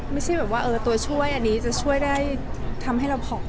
ไม่ใช่แบบว่าตัวช่วยอันนี้จะช่วยได้ทำให้เราผอม